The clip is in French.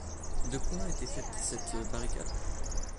De quoi était faite cette barricade?